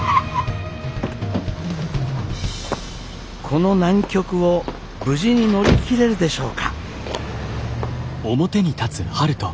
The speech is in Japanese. この難局を無事に乗り切れるでしょうか。